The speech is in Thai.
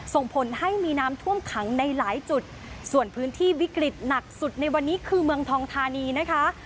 ส่งผลให้มีน้ำท่วมขังในหลายจุดส่วนพื้นที่วิกฤตหนักสุดในวันนี้คือเมืองทองธานีนะคะ